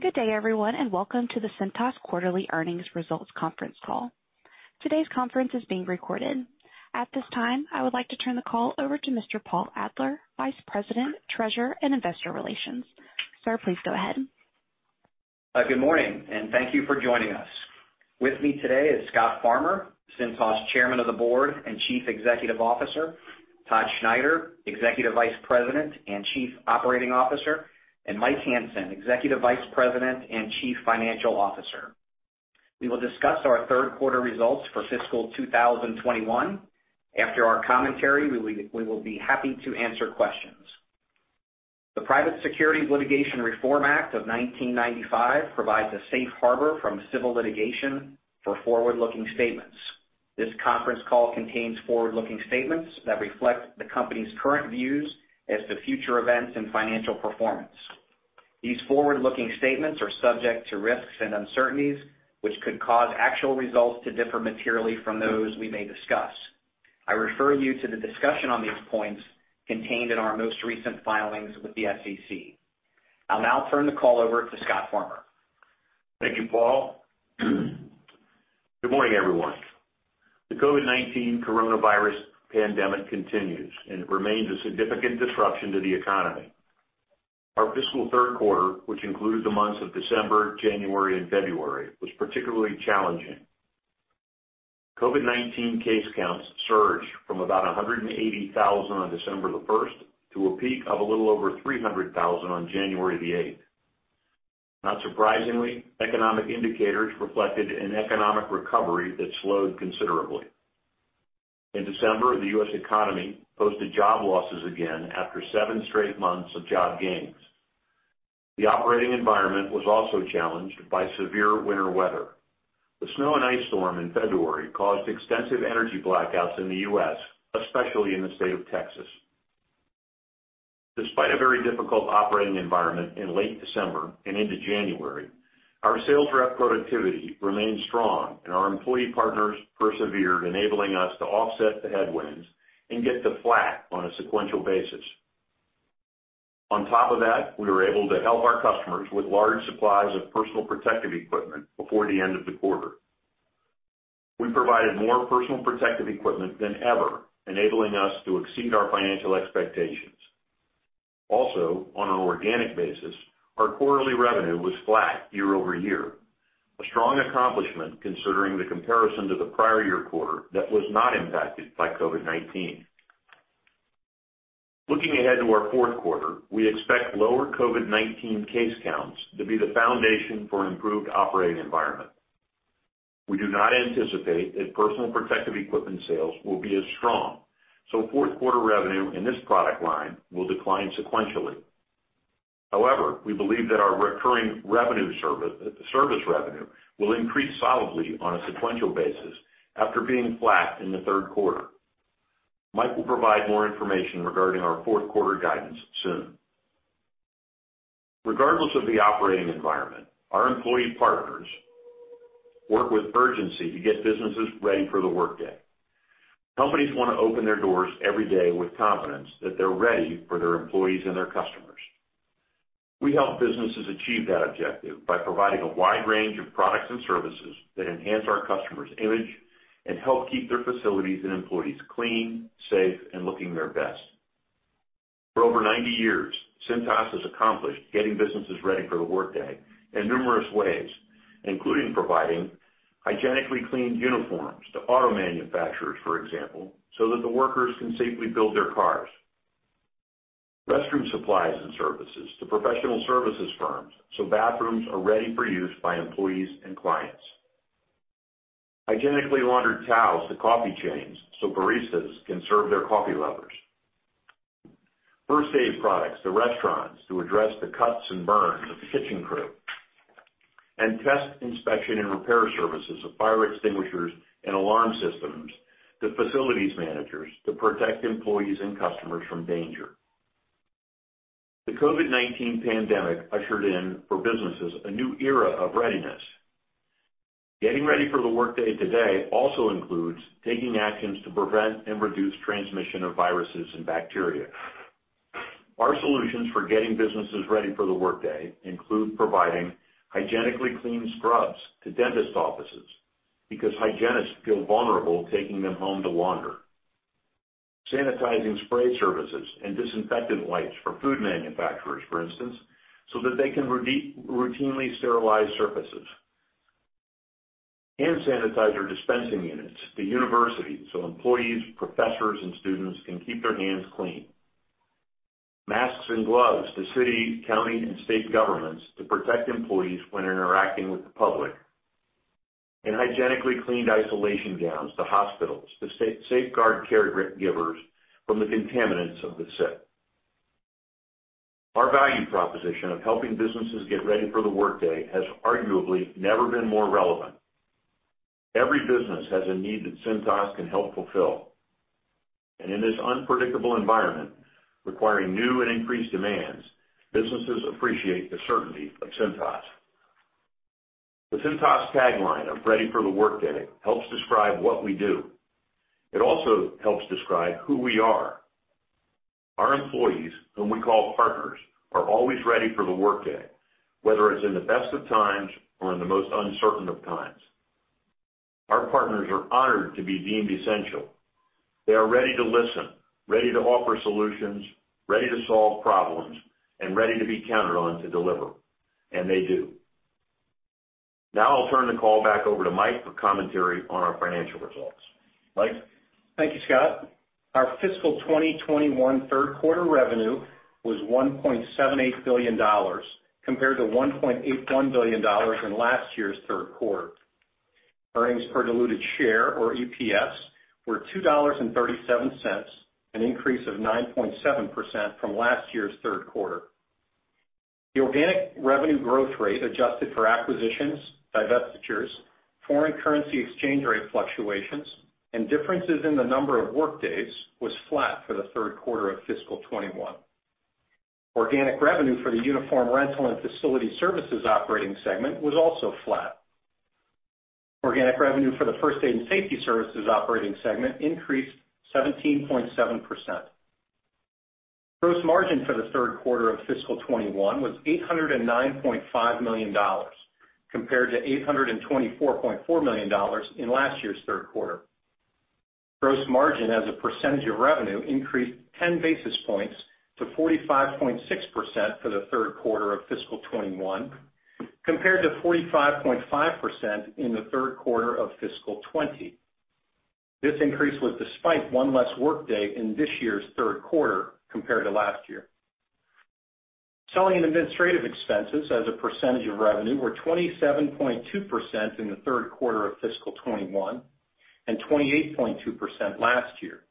Good day, everyone. Welcome to the Cintas quarterly earnings results conference call. Today's conference is being recorded. At this time, I would like to turn the call over to Mr. Paul Adler, Vice President, Treasurer, and Investor Relations. Sir, please go ahead. Good morning, and thank you for joining us. With me today is Scott Farmer, Cintas Chairman of the Board and Chief Executive Officer, Todd Schneider, Executive Vice President and Chief Operating Officer, and Mike Hansen, Executive Vice President and Chief Financial Officer. We will discuss our third quarter results for fiscal 2021. After our commentary, we will be happy to answer questions. The Private Securities Litigation Reform Act of 1995 provides a safe harbor from civil litigation for forward-looking statements. This conference call contains forward-looking statements that reflect the company's current views as to future events and financial performance. These forward-looking statements are subject to risks and uncertainties, which could cause actual results to differ materially from those we may discuss. I refer you to the discussion on these points contained in our most recent filings with the SEC. I'll now turn the call over to Scott Farmer. Thank you, Paul. Good morning, everyone. The COVID-19 coronavirus pandemic continues, and it remains a significant disruption to the economy. Our fiscal third quarter, which included the months of December, January, and February, was particularly challenging. COVID-19 case counts surged from about 180,000 on December the 1st to a peak of a little over 300,000 on January the 8th. Not surprisingly, economic indicators reflected an economic recovery that slowed considerably. In December, the U.S. economy posted job losses again after seven straight months of job gains. The operating environment was also challenged by severe winter weather. The snow and ice storm in February caused extensive energy blackouts in the U.S., especially in the state of Texas. Despite a very difficult operating environment in late December and into January, our sales rep productivity remained strong, and our employee partners persevered, enabling us to offset the headwinds and get to flat on a sequential basis. On top of that, we were able to help our customers with large supplies of personal protective equipment before the end of the quarter. We provided more personal protective equipment than ever, enabling us to exceed our financial expectations. Also, on an organic basis, our quarterly revenue was flat year-over-year, a strong accomplishment, considering the comparison to the prior year quarter that was not impacted by COVID-19. Looking ahead to our fourth quarter, we expect lower COVID-19 case counts to be the foundation for an improved operating environment. We do not anticipate that personal protective equipment sales will be as strong, so fourth quarter revenue in this product line will decline sequentially. However, we believe that our recurring service revenue will increase solidly on a sequential basis after being flat in the third quarter. Mike will provide more information regarding our fourth quarter guidance soon. Regardless of the operating environment, our employee partners work with urgency to get businesses ready for the workday. Companies want to open their doors every day with confidence that they're ready for their employees and their customers. We help businesses achieve that objective by providing a wide range of products and services that enhance our customers' image and help keep their facilities and employees clean, safe, and looking their best. For over 90 years, Cintas has accomplished getting businesses ready for the workday in numerous ways, including providing hygienically cleaned uniforms to auto manufacturers, for example, so that the workers can safely build their cars. Restroom supplies and services to professional services firms so bathrooms are ready for use by employees and clients. Hygienically laundered towels to coffee chains so baristas can serve their coffee lovers. First aid products to restaurants to address the cuts and burns of the kitchen crew. Test inspection and repair services of fire extinguishers and alarm systems to facilities managers to protect employees and customers from danger. The COVID-19 pandemic ushered in, for businesses, a new era of readiness. Getting ready for the workday today also includes taking actions to prevent and reduce transmission of viruses and bacteria. Our solutions for getting businesses ready for the workday include providing hygienically clean scrubs to dentist offices because hygienists feel vulnerable taking them home to launder. Sanitizing spray services and disinfectant wipes for food manufacturers, for instance, so that they can routinely sterilize surfaces. Hand sanitizer dispensing units to universities so employees, professors, and students can keep their hands clean. Masks and gloves to city, county, and state governments to protect employees when interacting with the public. Hygienically cleaned isolation gowns to hospitals to safeguard caregivers from the contaminants of the sick. Our value proposition of helping businesses get ready for the workday has arguably never been more relevant. Every business has a need that Cintas can help fulfill. In this unpredictable environment requiring new and increased demands, businesses appreciate the certainty of Cintas. The Cintas tagline of "Ready for the Workday" helps describe what we do. It also helps describe who we are. Our employees, whom we call partners, are always ready for the workday, whether it's in the best of times or in the most uncertain of times. Our partners are honored to be deemed essential. They are ready to listen, ready to offer solutions, ready to solve problems, and ready to be counted on to deliver, and they do. I'll turn the call back over to Mike for commentary on our financial results. Mike? Thank you, Scott. Our fiscal 2021 third quarter revenue was $1.78 billion, compared to $1.81 billion in last year's third quarter. Earnings per diluted share, or EPS, were $2.37, an increase of 9.7% from last year's third quarter. The organic revenue growth rate adjusted for acquisitions, divestitures, foreign currency exchange rate fluctuations, and differences in the number of workdays was flat for the third quarter of fiscal 2021. Organic revenue for the Uniform Rental and Facility Services operating segment was also flat. Organic revenue for the First Aid and Safety Services operating segment increased 17.7%. Gross margin for the third quarter of fiscal 2021 was $809.5 million, compared to $824.4 million in last year's third quarter. Gross margin as a percentage of revenue increased 10 basis points to 45.6% for the third quarter of fiscal 2021, compared to 45.5% in the third quarter of fiscal 2020. This increase was despite one less workday in this year's third quarter compared to last year. Selling and administrative expenses as a percentage of revenue were 27.2% in the third quarter of fiscal 2021, and 28.2% last year.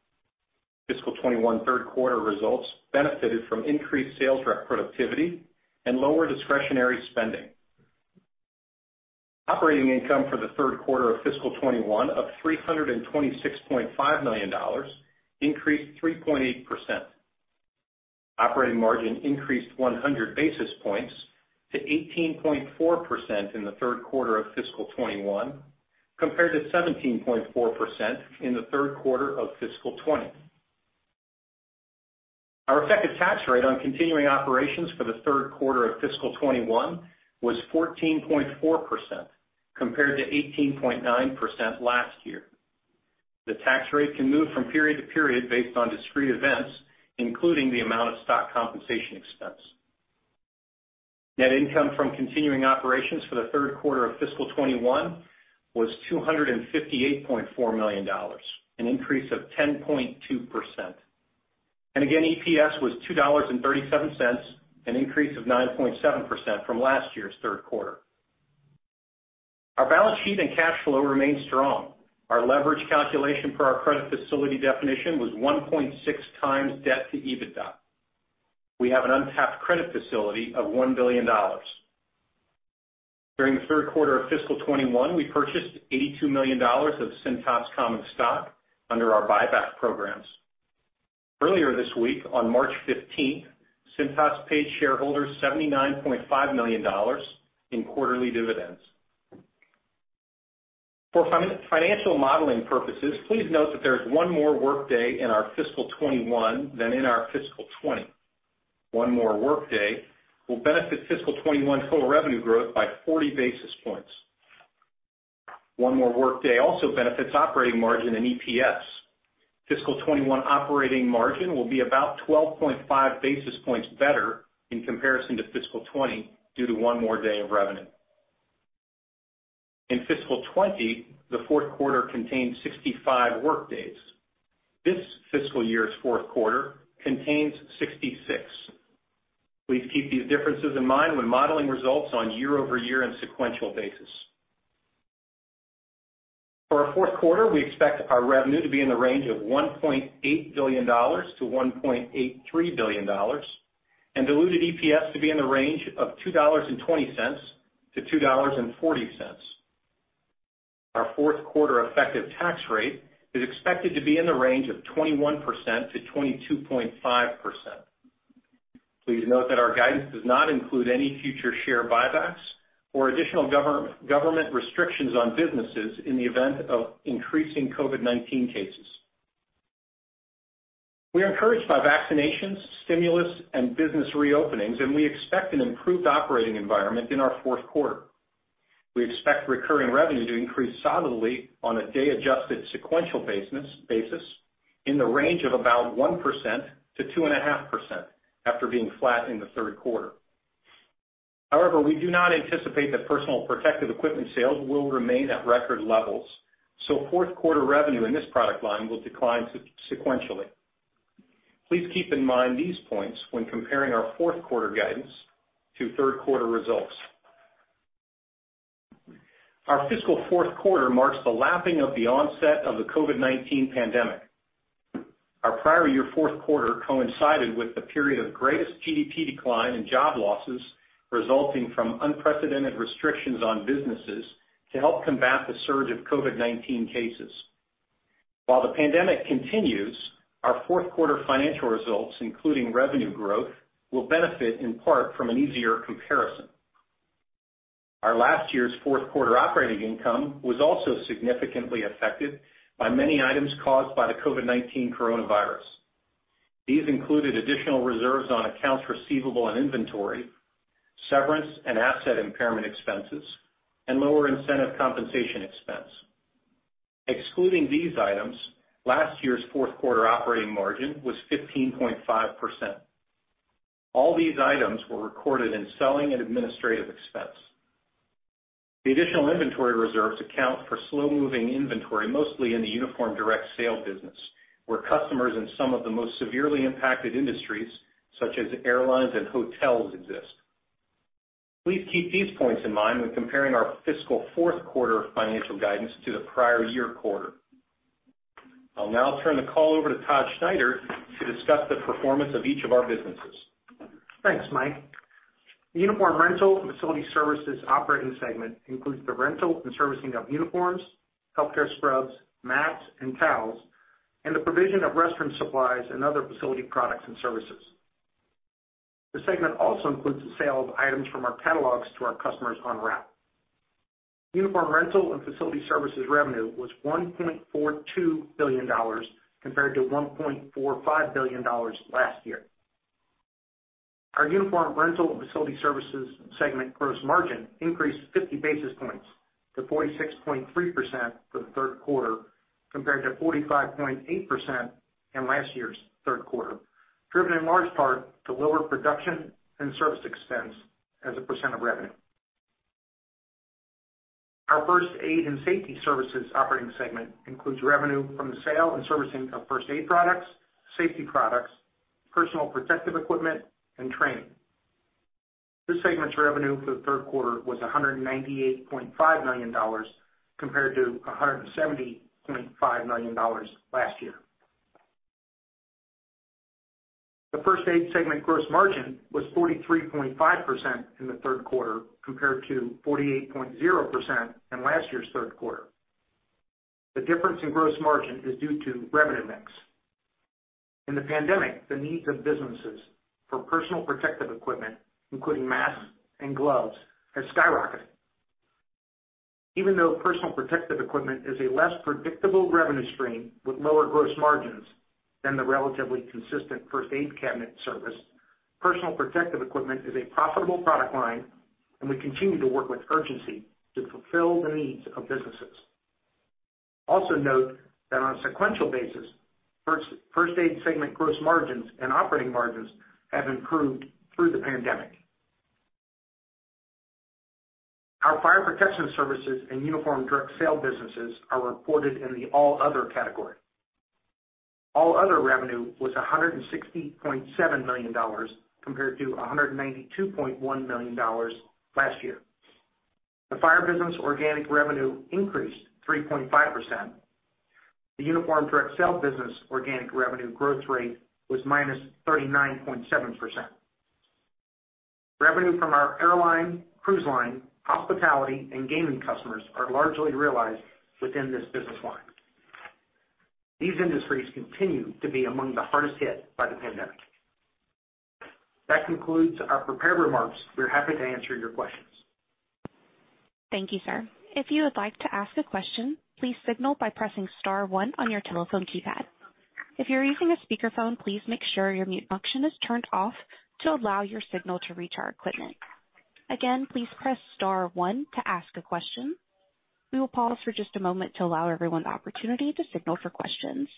Fiscal 2021 third quarter results benefited from increased sales rep productivity and lower discretionary spending. Operating income for the third quarter of fiscal 2021 of $326.5 million increased 3.8%. Operating margin increased 100 basis points to 18.4% in the third quarter of fiscal 2021, compared to 17.4% in the third quarter of fiscal 2020. Our effective tax rate on continuing operations for the third quarter of fiscal 2021 was 14.4%, compared to 18.9% last year. The tax rate can move from period to period based on discrete events, including the amount of stock compensation expense. Net income from continuing operations for the third quarter of fiscal 2021 was $258.4 million, an increase of 10.2%. Again, EPS was $2.37, an increase of 9.7% from last year's third quarter. Our balance sheet and cash flow remain strong. Our leverage calculation for our credit facility definition was 1.6x debt to EBITDA. We have an untapped credit facility of $1 billion. During the third quarter of fiscal 2021, we purchased $82 million of Cintas common stock under our buyback programs. Earlier this week, on March 15th, Cintas paid shareholders $79.5 million in quarterly dividends. For financial modeling purposes, please note that there is one more workday in our fiscal 2021 than in our fiscal 2020. One more workday will benefit fiscal 2021 total revenue growth by 40 basis points. One more workday also benefits operating margin and EPS. Fiscal 2021 operating margin will be about 12.5 basis points better in comparison to fiscal 2020, due to one more day of revenue. In fiscal 2020, the fourth quarter contained 65 workdays. This fiscal year's fourth quarter contains 66. Please keep these differences in mind when modeling results on year-over-year and sequential basis. For our fourth quarter, we expect our revenue to be in the range of $1.8 billion-$1.83 billion, and diluted EPS to be in the range of $2.20-$2.40. Our fourth quarter effective tax rate is expected to be in the range of 21%-22.5%. Please note that our guidance does not include any future share buybacks or additional government restrictions on businesses in the event of increasing COVID-19 cases. We are encouraged by vaccinations, stimulus, and business reopenings, and we expect an improved operating environment in our fourth quarter. We expect recurring revenue to increase solidly on a day-adjusted sequential basis, in the range of about 1%-2.5% after being flat in the third quarter. However, we do not anticipate that personal protective equipment sales will remain at record levels, so fourth quarter revenue in this product line will decline sequentially. Please keep in mind these points when comparing our fourth quarter guidance to third quarter results. Our fiscal fourth quarter marks the lapping of the onset of the COVID-19 pandemic. Our prior year fourth quarter coincided with the period of greatest GDP decline and job losses resulting from unprecedented restrictions on businesses to help combat the surge of COVID-19 cases. While the pandemic continues, our fourth quarter financial results, including revenue growth, will benefit in part from an easier comparison. Our last year's fourth quarter operating income was also significantly affected by many items caused by the COVID-19 coronavirus. These included additional reserves on accounts receivable and inventory, severance and asset impairment expenses, and lower incentive compensation expense. Excluding these items, last year's fourth quarter operating margin was 15.5%. All these items were recorded in selling and administrative expense. The additional inventory reserves account for slow-moving inventory, mostly in the Uniform Direct Sale business, where customers in some of the most severely impacted industries, such as airlines and hotels, exist. Please keep these points in mind when comparing our fiscal fourth quarter financial guidance to the prior year quarter. I'll now turn the call over to Todd Schneider to discuss the performance of each of our businesses. Thanks, Mike. The Uniform Rental and Facility Services operating segment includes the rental and servicing of uniforms, healthcare scrubs, mats, and towels, and the provision of restroom supplies and other facility products and services. The segment also includes the sale of items from our catalogs to our customers on route. Uniform Rental and Facility Services revenue was $1.42 billion compared to $1.45 billion last year. Our Uniform Rental and Facility Services segment gross margin increased 50 basis points to 46.3% for the third quarter, compared to 45.8% in last year's third quarter, driven in large part to lower production and service expense as a percent of revenue. Our First Aid and Safety Services operating segment includes revenue from the sale and servicing of first aid products, safety products, personal protective equipment, and training. This segment's revenue for the third quarter was $198.5 million compared to $170.5 million last year. The First Aid segment gross margin was 43.5% in the third quarter, compared to 48.0% in last year's third quarter. The difference in gross margin is due to revenue mix. In the pandemic, the needs of businesses for Personal Protective Equipment, including masks and gloves, has skyrocketed. Even though Personal Protective Equipment is a less predictable revenue stream with lower gross margins than the relatively consistent first aid cabinet service, Personal Protective Equipment is a profitable product line, and we continue to work with urgency to fulfill the needs of businesses. Also note that on a sequential basis, First Aid segment gross margins and operating margins have improved through the pandemic. Our Fire Protection Services and Uniform Direct Sale businesses are reported in the All Other category. All Other revenue was $160.7 million, compared to $192.1 million last year. The Fire business organic revenue increased 3.5%. The Uniform Direct Sale business organic revenue growth rate was -39.7%. Revenue from our airline, cruise line, hospitality, and gaming customers are largely realized within this business line. These industries continue to be among the hardest hit by the pandemic. That concludes our prepared remarks. We're happy to answer your questions. Thank you, sir. If you would like to ask a question, please signal by pressing star one on your telephone keypad. If you are using a speakerphone, please make sure your mute function is turned off to allow your signal to reach our equipment. Again, please press star one to ask a question. We will pause for just a moment to allow everyone the opportunity to signal for questions.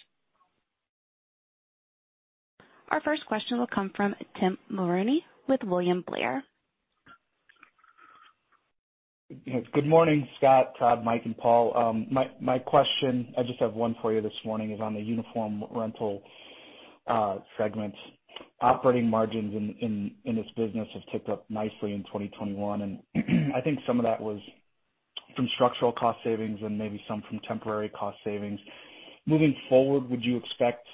Our first question will come from Tim Mulrooney with William Blair. Good morning, Scott, Todd, Mike, and Paul. My question, I just have one for you this morning, is on the Uniform Rental segment. Operating margins in this business have ticked up nicely in 2021, I think some of that was from structural cost savings and maybe some from temporary cost savings. Moving forward, would you expect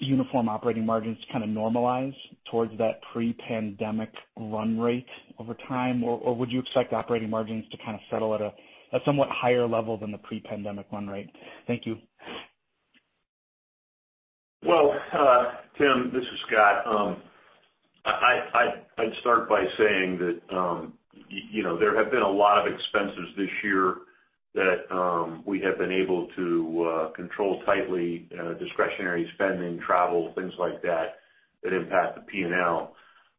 Uniform Rental operating margins to kind of normalize towards that pre-pandemic run rate over time? Would you expect operating margins to kind of settle at a somewhat higher level than the pre-pandemic run rate? Thank you. Well, Tim, this is Scott. I'd start by saying that there have been a lot of expenses this year that we have been able to control tightly, discretionary spending, travel, things like that impact the P&L.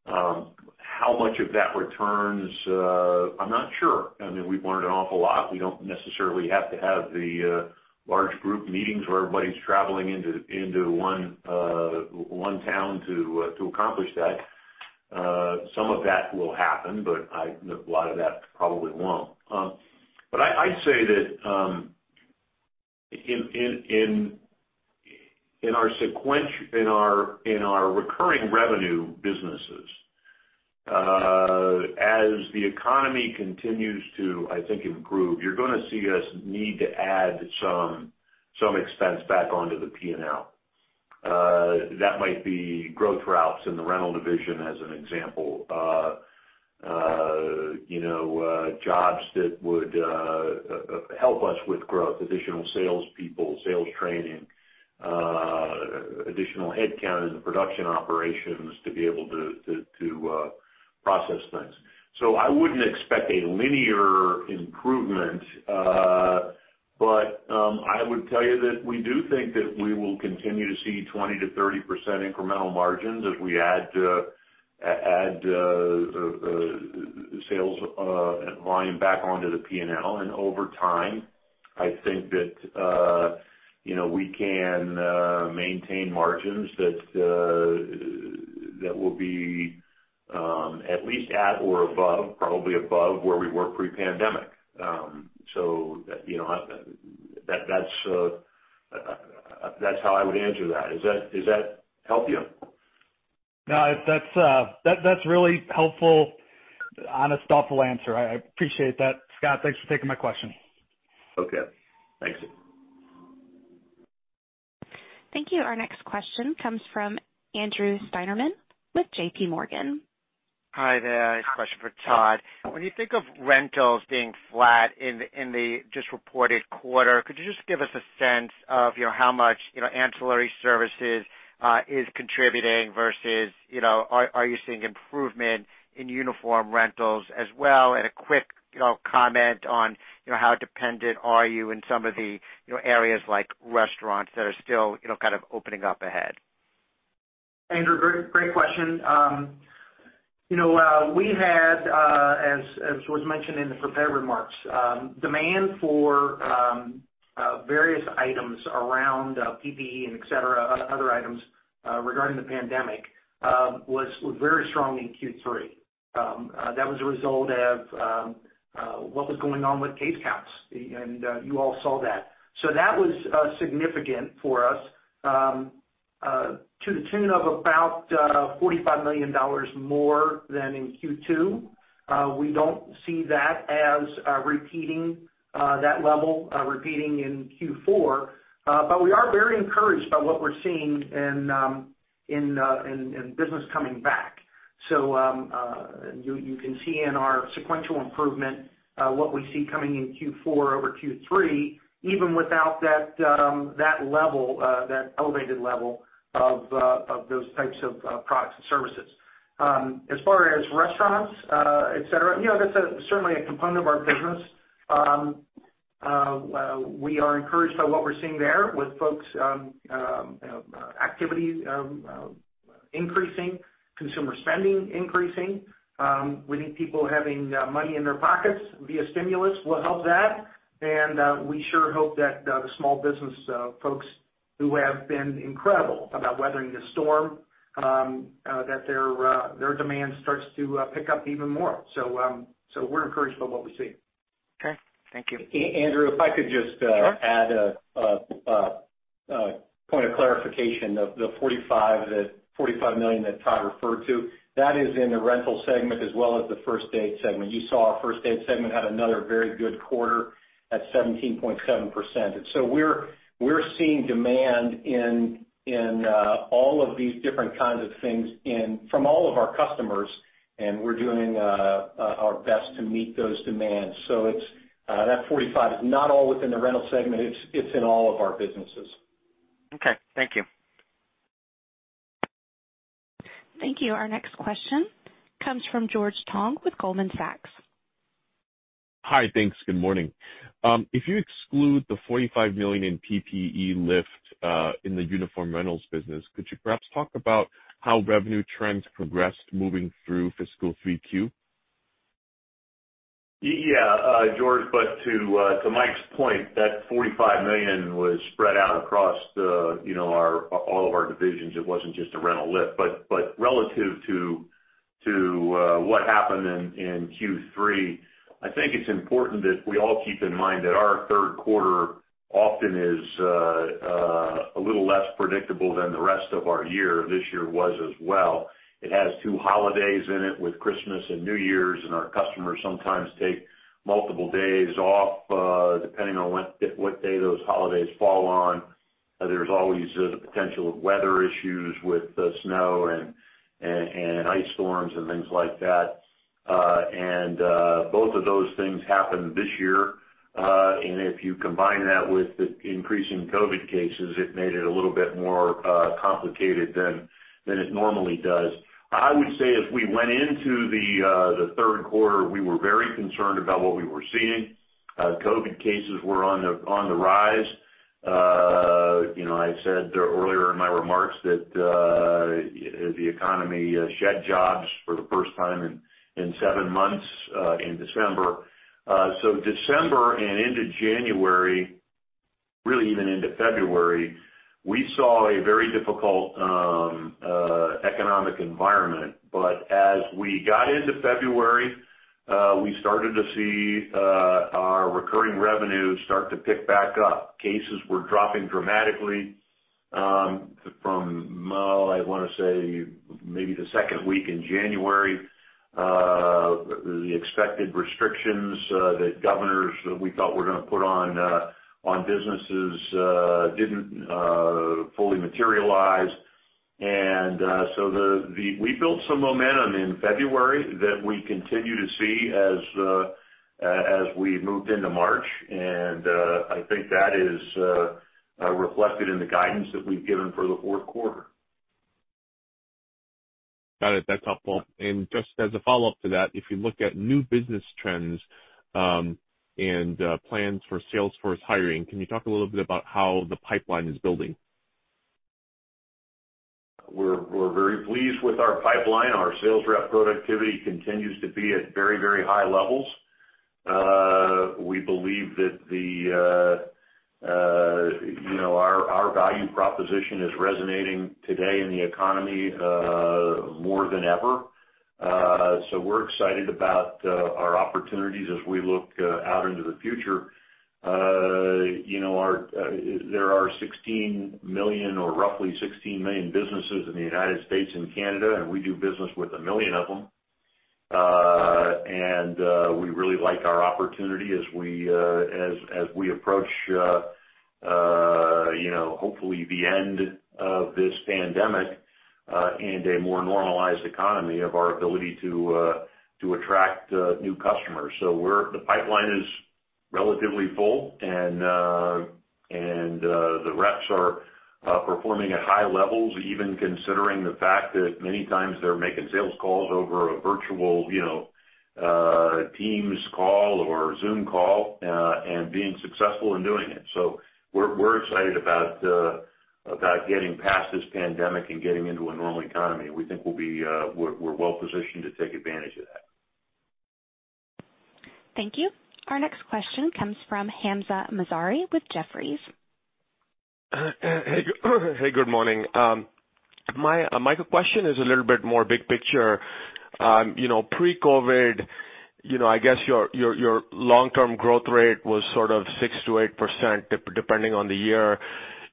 How much of that returns? I'm not sure. I mean, we've learned an awful lot. We don't necessarily have to have the large group meetings where everybody's traveling into one town to accomplish that. Some of that will happen, but a lot of that probably won't. I'd say that in our recurring revenue businesses, as the economy continues to, I think, improve, you're gonna see us need to add some expense back onto the P&L. That might be growth routes in the rental division as an example. Jobs that would help us with growth, additional salespeople, sales training, additional headcount in the production operations to be able to process things. I wouldn't expect a linear improvement, but I would tell you that we do think that we will continue to see 20%-30% incremental margins as we add sales volume back onto the P&L. Over time, I think that we can maintain margins that will be at least at or above, probably above, where we were pre-pandemic. That's how I would answer that. Does that help you? No, that's a really helpful, honest, thoughtful answer. I appreciate that. Scott, thanks for taking my question. Okay. Thanks. Thank you. Our next question comes from Andrew Steinerman with JPMorgan. Hi there. Question for Todd. When you think of rentals being flat in the just reported quarter, could you just give us a sense of how much ancillary services is contributing versus are you seeing improvement in uniform rentals as well? A quick comment on how dependent are you in some of the areas like restaurants that are still kind of opening up ahead? Andrew, great question. We had, as was mentioned in the prepared remarks, demand for various items around PPE and et cetera, other items regarding the pandemic, was very strong in Q3. That was a result of what was going on with case counts, you all saw that. That was significant for us, to the tune of about $45 million more than in Q2. We don't see that as repeating, that level repeating in Q4. We are very encouraged by what we're seeing in business coming back. You can see in our sequential improvement what we see coming in Q4 over Q3, even without that level, that elevated level of those types of products and services. As far as restaurants, et cetera, that's certainly a component of our business. We are encouraged by what we're seeing there with folks activity increasing, consumer spending increasing. We think people having money in their pockets via stimulus will help that. We sure hope that the small business folks who have been incredible about weathering this storm, that their demand starts to pick up even more. We're encouraged by what we see. Okay. Thank you. Andrew, Sure add a point of clarification. The $45 million that Todd referred to, that is in the Rental segment as well as the First Aid segment. You saw our First Aid segment had another very good quarter at 17.7%. We're seeing demand in all of these different kinds of things from all of our customers, and we're doing our best to meet those demands. That $45 is not all within the Rental segment, it's in all of our businesses. Okay. Thank you. Thank you. Our next question comes from George Tong with Goldman Sachs. Hi, thanks. Good morning. If you exclude the $45 million in PPE lift in the uniform rentals business, could you perhaps talk about how revenue trends progressed moving through fiscal 3Q? George, to Mike's point, that $45 million was spread out across all of our divisions. It wasn't just a rental lift. Relative to what happened in Q3, I think it's important that we all keep in mind that our third quarter often is a little less predictable than the rest of our year. This year was as well. It has two holidays in it with Christmas and New Year's, Our customers sometimes take multiple days off, depending on what day those holidays fall on. There's always the potential of weather issues with snow and ice storms and things like that. Both of those things happened this year. If you combine that with the increasing COVID cases, it made it a little bit more complicated than it normally does. I would say as we went into the third quarter, we were very concerned about what we were seeing. COVID cases were on the rise. I said earlier in my remarks that the economy shed jobs for the first time in seven months in December. December and into January, really even into February, we saw a very difficult economic environment. As we got into February, we started to see our recurring revenue start to pick back up. Cases were dropping dramatically. Well, I want to say maybe the second week in January, the expected restrictions that governors, we thought were going to put on businesses didn't fully materialize. We built some momentum in February that we continue to see as we moved into March. I think that is reflected in the guidance that we've given for the fourth quarter. Got it. That's helpful. Just as a follow-up to that, if you look at new business trends, and plans for sales force hiring, can you talk a little bit about how the pipeline is building? We're very pleased with our pipeline. Our sales rep productivity continues to be at very high levels. We believe that our value proposition is resonating today in the economy more than ever. We're excited about our opportunities as we look out into the future. There are 16 million, or roughly 16 million businesses in the U.S. and Canada, and we do business with a million of them. We really like our opportunity as we approach hopefully the end of this pandemic, and a more normalized economy of our ability to attract new customers. The pipeline is relatively full, and the reps are performing at high levels, even considering the fact that many times they're making sales calls over a virtual Teams call or a Zoom call, and being successful in doing it. We're excited about getting past this pandemic and getting into a normal economy. We think we're well positioned to take advantage of that. Thank you. Our next question comes from Hamzah Mazari with Jefferies. Hey, good morning. My question is a little bit more big picture. Pre-COVID, I guess your long-term growth rate was 6%-8%, depending on the year.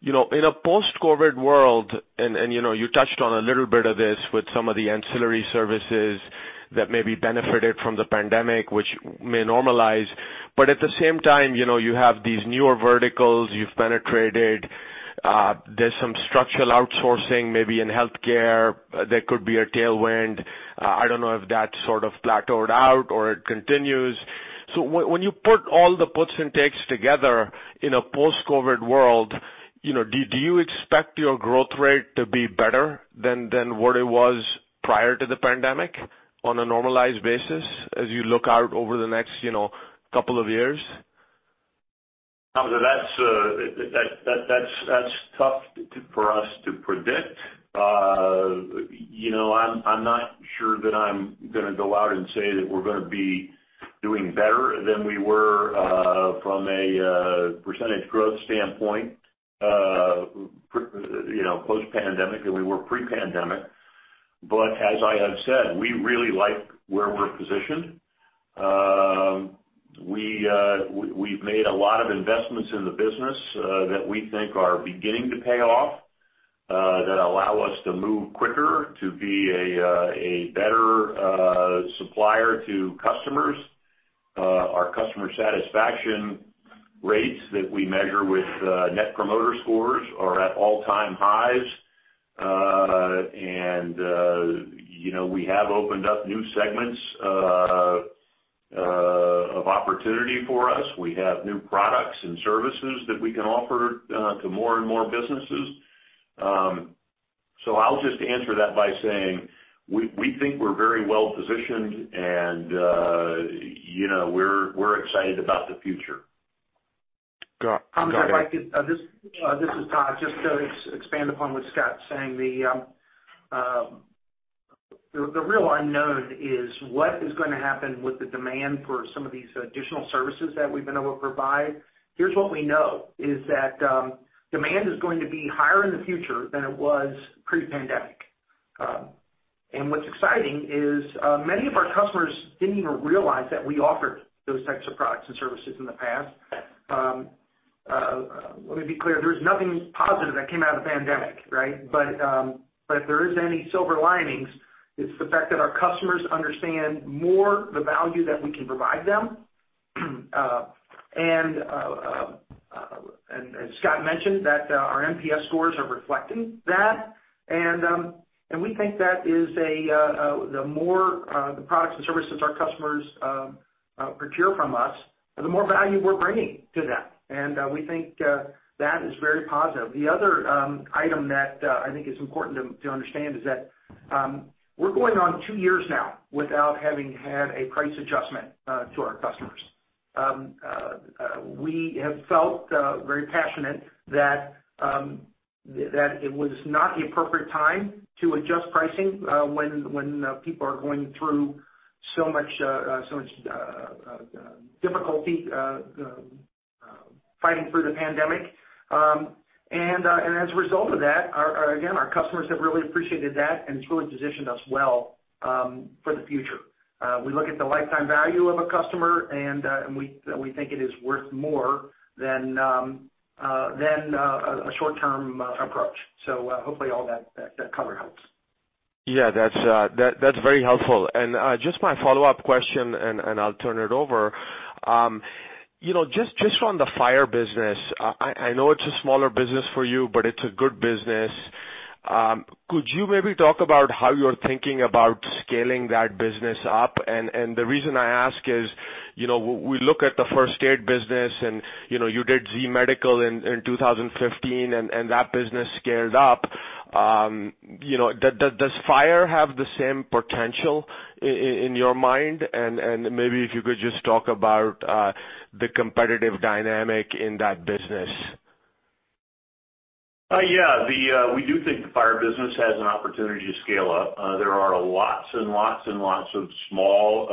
In a post-COVID world, and you touched on a little bit of this with some of the ancillary services that maybe benefited from the pandemic, which may normalize. At the same time, you have these newer verticals you've penetrated. There's some structural outsourcing, maybe in healthcare. There could be a tailwind. I don't know if that sort of plateaued out or it continues. When you put all the puts and takes together in a post-COVID world, do you expect your growth rate to be better than what it was prior to the pandemic on a normalized basis as you look out over the next couple of years? Hamzah, that's tough for us to predict. I'm not sure that I'm going to go out and say that we're going to be doing better than we were from a percentage growth standpoint post pandemic than we were pre pandemic. As I have said, we really like where we're positioned. We've made a lot of investments in the business that we think are beginning to pay off, that allow us to move quicker, to be a better supplier to customers. Our customer satisfaction rates that we measure with Net Promoter Scores are at all-time highs. We have opened up new segments of opportunity for us. We have new products and services that we can offer to more and more businesses. I'll just answer that by saying, we think we're very well positioned and we're excited about the future. Got it. Hamzah, this is Todd. Just to expand upon what Scott's saying. The real unknown is what is going to happen with the demand for some of these additional services that we've been able to provide. Here's what we know, is that demand is going to be higher in the future than it was pre pandemic. What's exciting is many of our customers didn't even realize that we offered those types of products and services in the past. Let me be clear, there's nothing positive that came out of the pandemic, right? If there is any silver linings, it's the fact that our customers understand more the value that we can provide them. As Scott mentioned, that our NPS scores are reflecting that. We think that the more the products and services our customers procure from us, the more value we're bringing to that. We think that is very positive. The other item that I think is important to understand is that we're going on two years now without having had a price adjustment to our customers. We have felt very passionate that it was not the appropriate time to adjust pricing when people are going through so much difficulty fighting through the pandemic. As a result of that, again, our customers have really appreciated that, and it's really positioned us well for the future. We look at the lifetime value of a customer, and we think it is worth more than a short-term approach. Hopefully all that covered helps. Yeah, that's very helpful. Just my follow-up question, and I'll turn it over. Just on the Fire business, I know it's a smaller business for you, but it's a good business. Could you maybe talk about how you're thinking about scaling that business up? The reason I ask is, we look at the First Aid business, and you did ZEE Medical in 2015, and that business scaled up. Does Fire have the same potential in your mind? Maybe if you could just talk about the competitive dynamic in that business. We do think the Fire business has an opportunity to scale up. There are lots and lots of small,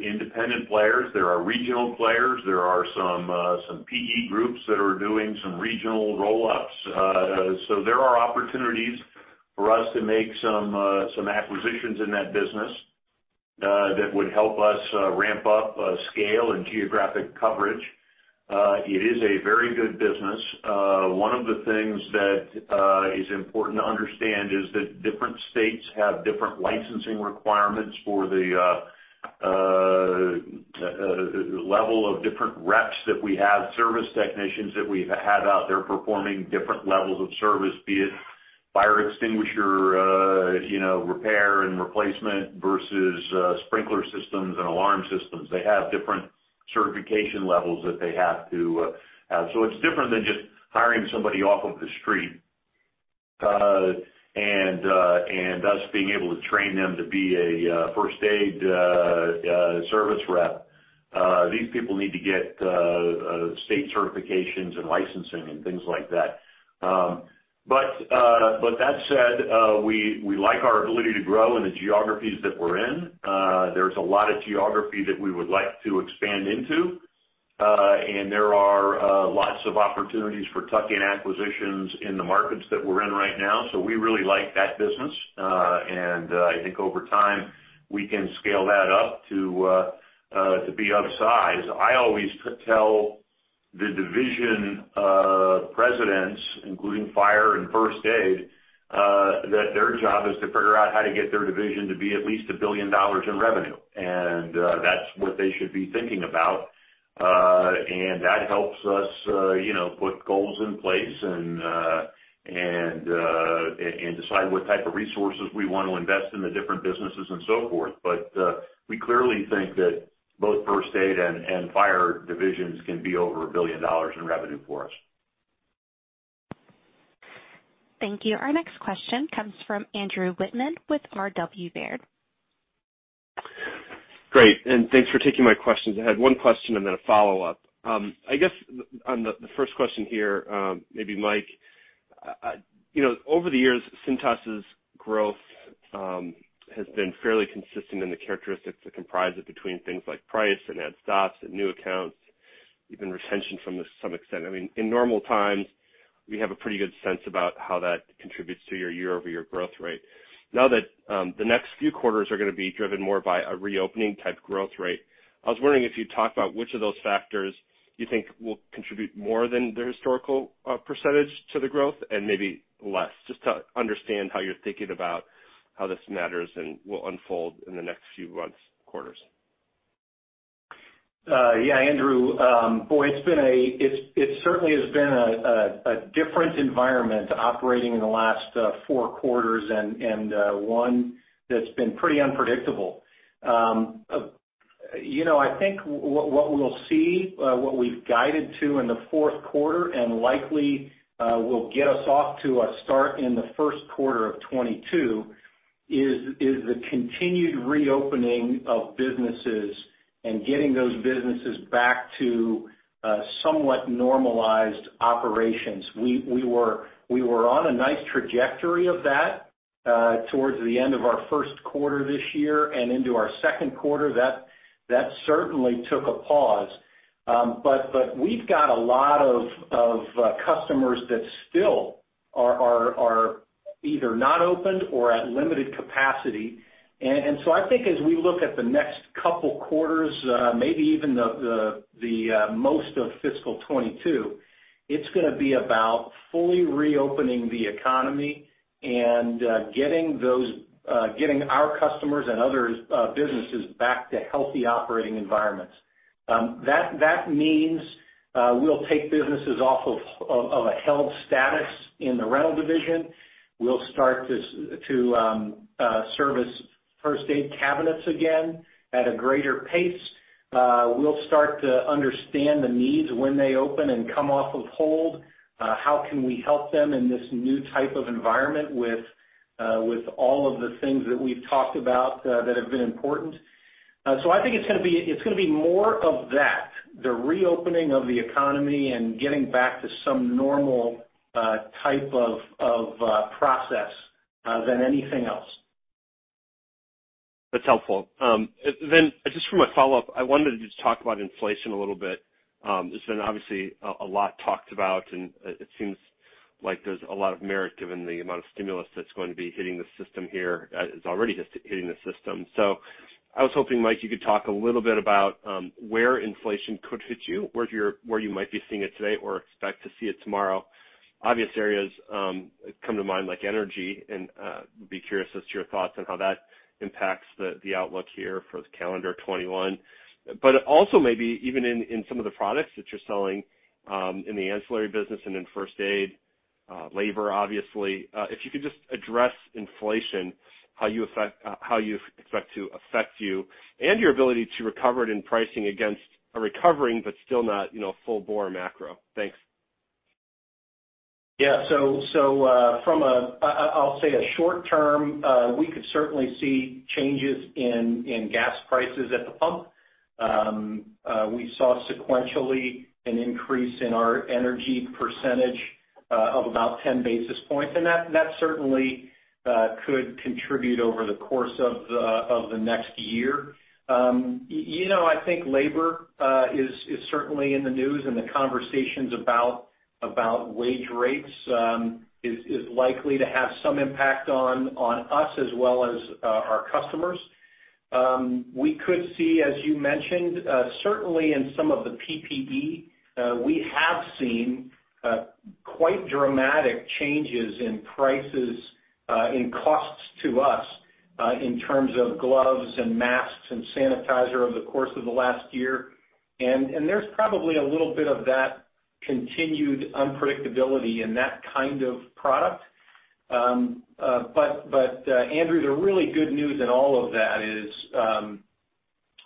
independent players. There are regional players. There are some PE groups that are doing some regional roll-ups. There are opportunities for us to make some acquisitions in that business that would help us ramp up scale and geographic coverage. It is a very good business. One of the things that is important to understand is that different states have different licensing requirements for the level of different reps that we have, service technicians that we have out there performing different levels of service, be it fire extinguisher repair and replacement versus sprinkler systems and alarm systems. They have different certification levels that they have to have. It's different than just hiring somebody off of the street, and us being able to train them to be a First Aid Service Rep. These people need to get state certifications and licensing and things like that. That said, we like our ability to grow in the geographies that we're in. There's a lot of geography that we would like to expand into. There are lots of opportunities for tuck-in acquisitions in the markets that we're in right now. We really like that business. I think over time, we can scale that up to be upsized. I always tell the division presidents, including Fire and First Aid, that their job is to figure out how to get their division to be at least $1 billion in revenue. That's what they should be thinking about. That helps us put goals in place and decide what type of resources we want to invest in the different businesses and so forth. We clearly think that both First Aid and Fire divisions can be over $1 billion in revenue for us. Thank you. Our next question comes from Andrew Wittmann with R.W. Baird. Great. Thanks for taking my questions. I had one question and then a follow-up. I guess, on the first question here, maybe Mike, over the years, Cintas's growth has been fairly consistent in the characteristics that comprise it between things like price and add stops and new accounts, even retention from some extent. In normal times, we have a pretty good sense about how that contributes to your year-over-year growth rate. Now that the next few quarters are going to be driven more by a reopening type growth rate, I was wondering if you'd talk about which of those factors you think will contribute more than the historical percentage to the growth and maybe less, just to understand how you're thinking about how this matters and will unfold in the next few months, quarters. Yeah, Andrew. Boy, it certainly has been a different environment operating in the last four quarters and one that's been pretty unpredictable. I think what we'll see, what we've guided to in the fourth quarter and likely will get us off to a start in the first quarter of 2022 is the continued reopening of businesses and getting those businesses back to somewhat normalized operations. We were on a nice trajectory of that towards the end of our first quarter this year and into our second quarter. That certainly took a pause. We've got a lot of customers that still are either not opened or at limited capacity. I think as we look at the next couple quarters, maybe even the most of fiscal 2022, it's going to be about fully reopening the economy and getting our customers and other businesses back to healthy operating environments. That means we'll take businesses off of a held status in the rental division. We'll start to service first aid cabinets again at a greater pace. We'll start to understand the needs when they open and come off of hold. How can we help them in this new type of environment with all of the things that we've talked about that have been important? I think it's going to be more of that, the reopening of the economy and getting back to some normal type of process than anything else. That's helpful. Just for my follow-up, I wanted to just talk about inflation a little bit. There's been obviously a lot talked about, and it seems like there's a lot of merit given the amount of stimulus that's going to be hitting the system here. It's already hitting the system. I was hoping, Mike, you could talk a little bit about where inflation could hit you, where you might be seeing it today or expect to see it tomorrow. Obvious areas come to mind, like energy, and be curious as to your thoughts on how that impacts the outlook here for calendar 2021. Also maybe even in some of the products that you're selling in the ancillary business and in First Aid, labor, obviously. If you could just address inflation, how you expect to affect you and your ability to recover it in pricing against a recovering, but still not full-bore macro. Thanks. Yeah. From a short term, we could certainly see changes in gas prices at the pump. We saw sequentially an increase in our energy percentage of about 10 basis points, and that certainly could contribute over the course of the next year. I think labor is certainly in the news, and the conversations about wage rates is likely to have some impact on us as well as our customers. We could see, as you mentioned, certainly in some of the PPE, we have seen quite dramatic changes in prices, in costs to us in terms of gloves and masks and sanitizer over the course of the last year. There's probably a little bit of that continued unpredictability in that kind of product. Andrew, the really good news in all of that is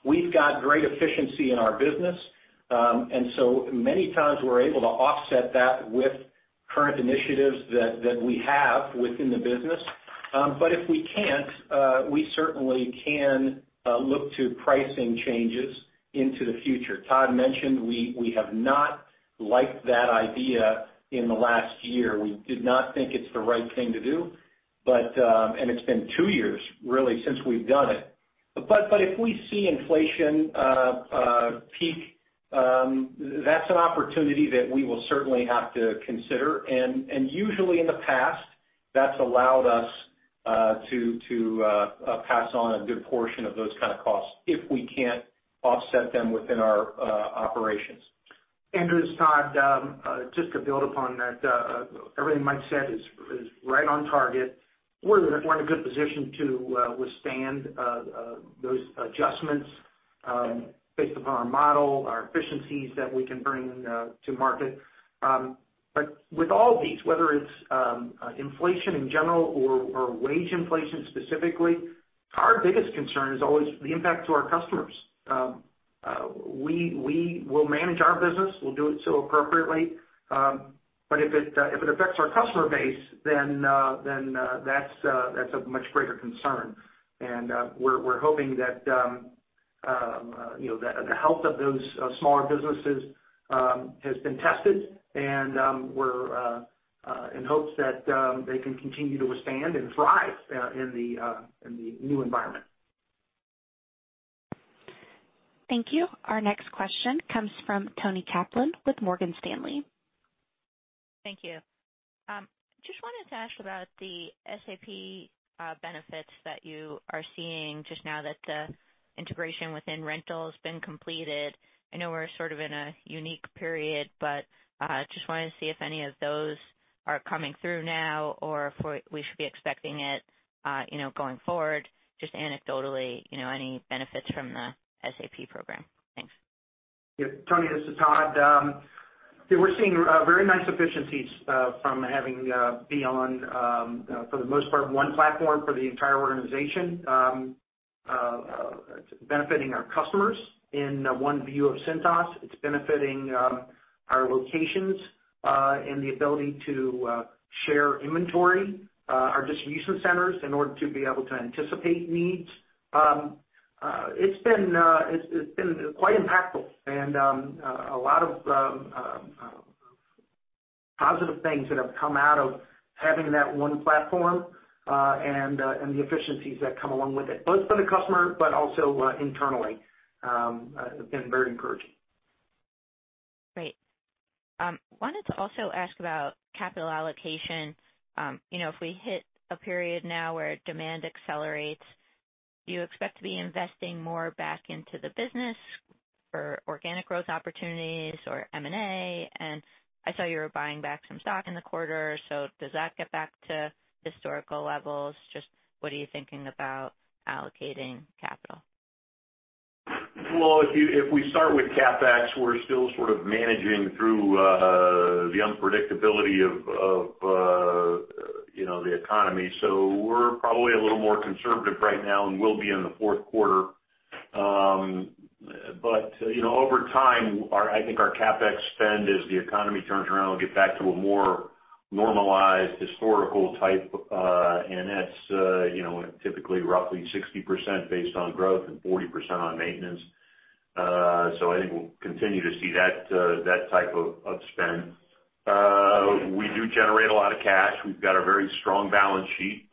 we've got great efficiency in our business. Many times we're able to offset that with current initiatives that we have within the business. But if we can't, we certainly can look to pricing changes into the future. Todd mentioned we have not liked that idea in the last year. We did not think it's the right thing to do, and it's been two years really since we've done it. But if we see inflation peak, that's an opportunity that we will certainly have to consider, and usually in the past, that's allowed us to pass on a good portion of those kind of costs if we can't offset them within our operations. Andrew, it's Todd. Just to build upon that, everything Mike said is right on target. We're in a good position to withstand those adjustments based upon our model, our efficiencies that we can bring to market. With all these, whether it's inflation in general or wage inflation specifically, our biggest concern is always the impact to our customers. We will manage our business, we'll do it so appropriately. If it affects our customer base, then that's a much greater concern. We're hoping that the health of those smaller businesses has been tested and we're in hopes that they can continue to withstand and thrive in the new environment. Thank you. Our next question comes from Toni Kaplan with Morgan Stanley. Thank you. Just wanted to ask about the SAP benefits that you are seeing just now that the integration within rental has been completed. I know we're sort of in a unique period, but just wanted to see if any of those are coming through now or if we should be expecting it going forward. Just anecdotally, any benefits from the SAP program? Thanks. Yeah, Toni, this is Todd. Yeah, we're seeing very nice efficiencies from having be on, for the most part, one platform for the entire organization. It's benefiting our customers in one view of Cintas. It's benefiting our locations in the ability to share inventory, our distribution centers, in order to be able to anticipate needs. It's been quite impactful and a lot of positive things that have come out of having that one platform, and the efficiencies that come along with it, both for the customer, but also internally, have been very encouraging. Great. Wanted to also ask about capital allocation. If we hit a period now where demand accelerates, do you expect to be investing more back into the business for organic growth opportunities or M&A? I saw you were buying back some stock in the quarter, so does that get back to historical levels? Just what are you thinking about allocating capital? Well, if we start with CapEx, we're still sort of managing through the unpredictability of the economy. We're probably a little more conservative right now and will be in the fourth quarter. Over time, I think our CapEx spend, as the economy turns around, will get back to a more normalized historical type. That's typically roughly 60% based on growth and 40% on maintenance. I think we'll continue to see that type of spend. We do generate a lot of cash. We've got a very strong balance sheet.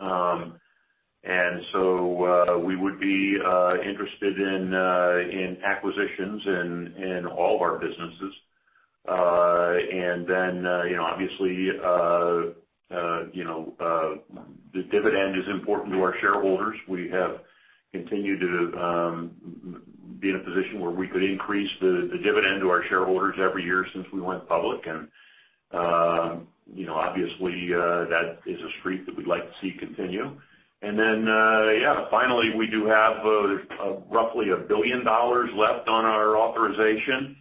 We would be interested in acquisitions in all of our businesses. Then, obviously, the dividend is important to our shareholders. We have continued to be in a position where we could increase the dividend to our shareholders every year since we went public, and obviously, that is a streak that we'd like to see continue. Finally, we do have roughly $1 billion left on our authorization,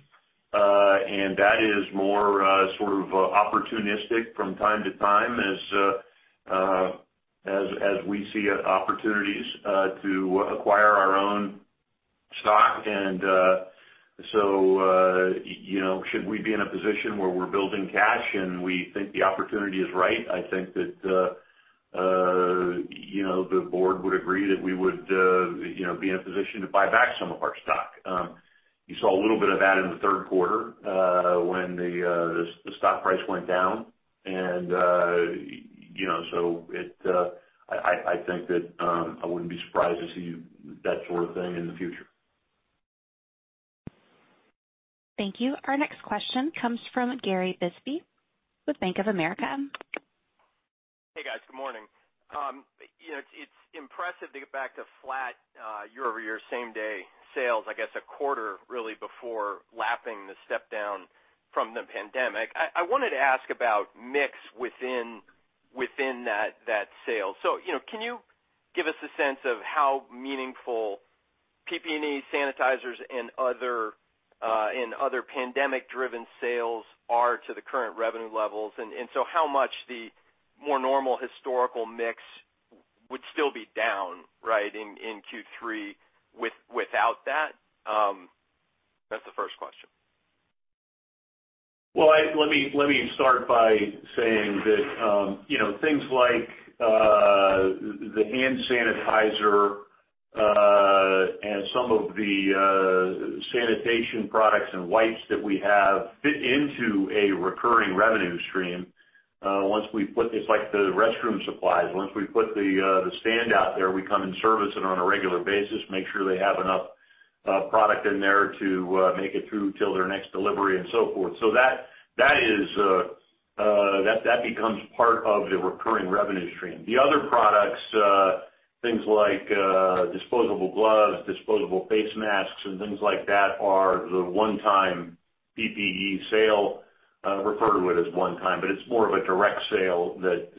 and that is more sort of opportunistic from time to time as we see opportunities to acquire our own stock. Should we be in a position where we're building cash and we think the opportunity is right, I think that the Board would agree that we would be in a position to buy back some of our stock. You saw a little bit of that in the third quarter when the stock price went down. I think that I wouldn't be surprised to see that sort of thing in the future. Thank you. Our next question comes from Gary Bisbee with Bank of America. Hey, guys. Good morning. It's impressive to get back to flat year-over-year same-day sales, I guess, a quarter really before lapping the step down from the pandemic. I wanted to ask about mix within that sale. Can you give us a sense of how meaningful PPE sanitizers and other pandemic-driven sales are to the current revenue levels? How much the more normal historical mix would still be down, right, in Q3 without that? That's the first question. Well, let me start by saying that things like the hand sanitizer, and some of the sanitation products and wipes that we have fit into a recurring revenue stream. It's like the restroom supplies. Once we put the stand out there, we come and service it on a regular basis, make sure they have enough product in there to make it through till their next delivery, and so forth. That becomes part of the recurring revenue stream. The other products, things like disposable gloves, disposable face masks, and things like that are the one-time PPE sale. I refer to it as one time, it's more of a direct sale that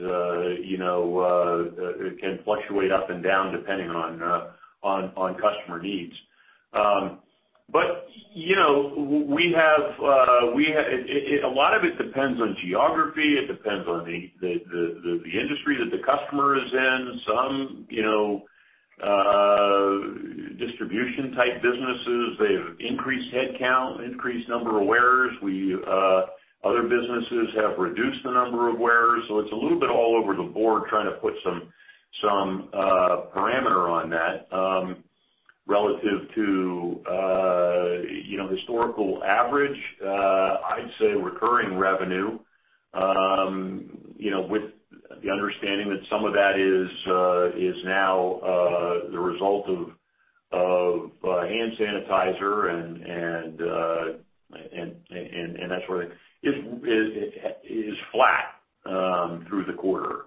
can fluctuate up and down depending on customer needs. A lot of it depends on geography. It depends on the industry that the customer is in. Some distribution type businesses, they've increased headcount, increased number of wearers. Other businesses have reduced the number of wearers. It's a little bit all over the board trying to put some parameter on that. Relative to historical average, I'd say recurring revenue, with the understanding that some of that is now the result of hand sanitizer and that sort of thing, is flat through the quarter.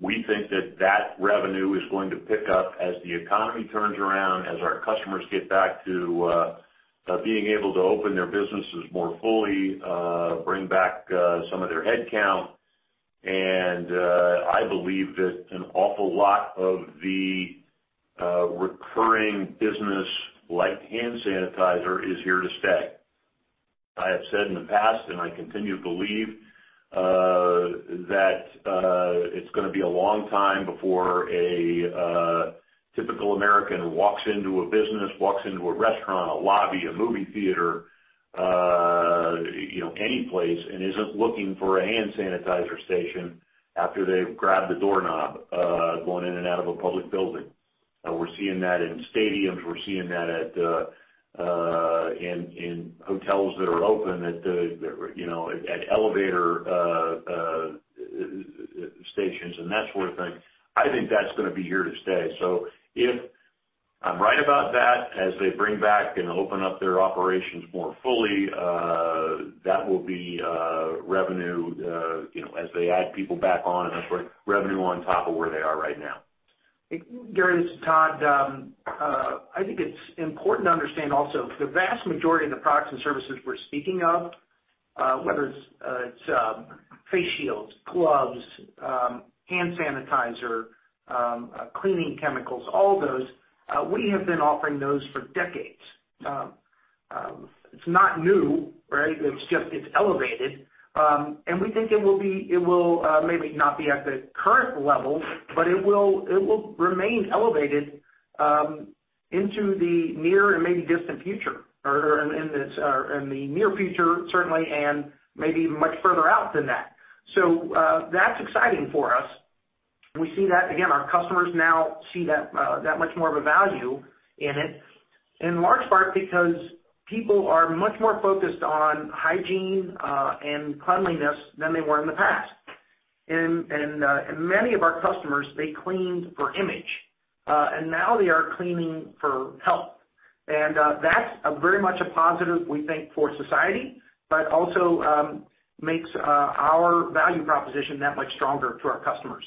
We think that that revenue is going to pick up as the economy turns around, as our customers get back to being able to open their businesses more fully, bring back some of their headcount. I believe that an awful lot of the recurring business, like hand sanitizer, is here to stay. I have said in the past, and I continue to believe, that it's going to be a long time before a typical American walks into a business, walks into a restaurant, a lobby, a movie theater, any place, and isn't looking for a hand sanitizer station after they've grabbed the doorknob going in and out of a public building. We're seeing that in stadiums. We're seeing that in hotels that are open, at elevator stations, and that sort of thing. I think that's going to be here to stay. If I'm right about that, as they bring back and open up their operations more fully, that will be revenue as they add people back on and that sort of thing, revenue on top of where they are right now. Gary, this is Todd. I think it's important to understand also, the vast majority of the products and services we're speaking of, whether it's face shields, gloves, hand sanitizer, cleaning chemicals, all of those, we have been offering those for decades. It's not new, right? It's just, it's elevated. We think it will maybe not be at the current level, but it will remain elevated into the near and maybe distant future, or in the near future, certainly, and maybe much further out than that. That's exciting for us. We see that, again, our customers now see that much more of a value in it, in large part because people are much more focused on hygiene and cleanliness than they were in the past. Many of our customers, they cleaned for image, and now they are cleaning for health. That's very much a positive, we think, for society, but also makes our value proposition that much stronger to our customers.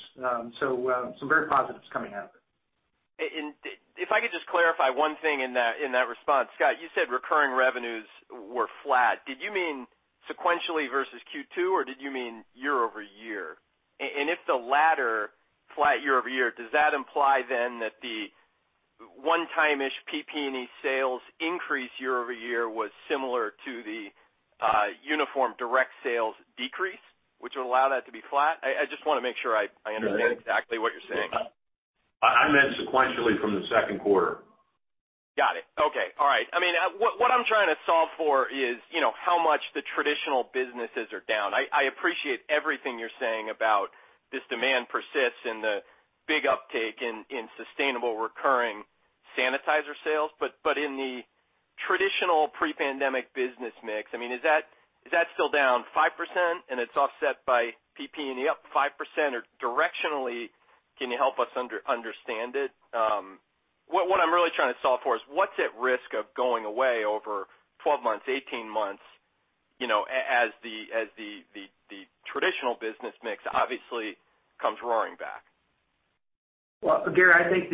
Some very positives coming out of it. If I could just clarify one thing in that response. Scott, you said recurring revenues were flat. Did you mean sequentially versus Q2, or did you mean year-over-year? If the latter, flat year-over-year, does that imply then that the one-time-ish PPE sales increase year-over-year was similar to the Uniform Direct Sales decrease, which would allow that to be flat? I just want to make sure I understand exactly what you're saying. I meant sequentially from the second quarter. Got it. Okay. All right. What I'm trying to solve for is how much the traditional businesses are down. I appreciate everything you're saying about this demand persists and the big uptake in sustainable recurring sanitizer sales, but in the traditional pre-pandemic business mix, is that still down 5% and it's offset by PPE up 5%? Directionally, can you help us understand it? What I'm really trying to solve for is what's at risk of going away over 12 months, 18 months, as the traditional business mix obviously comes roaring back. Well, Gary, I think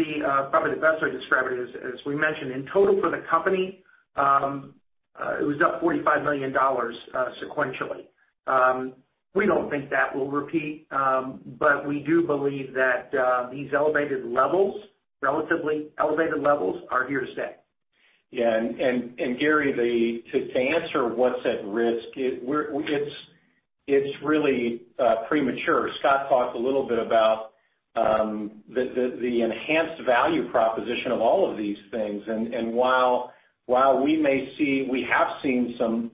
probably the best way to describe it is, as we mentioned, in total for the company, it was up $45 million sequentially. We don't think that will repeat, but we do believe that these relatively elevated levels are here to stay. Yeah. Gary, to answer what's at risk, it's really premature. Scott talked a little bit about the enhanced value proposition of all of these things. While we have seen some